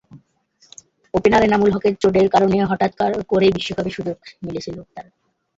Opener Enamul হকের চোটের কারণে হঠাৎ করেই বিশ্বকাপে সুযোগ মিলেছিল তাঁর।